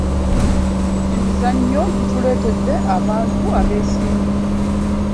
emizannyo gituletedde antu ab'esimbu